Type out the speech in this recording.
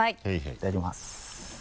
いただきます。